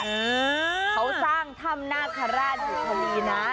เขาสร้างถ้ำนาคาราชอยู่ทะลีนะ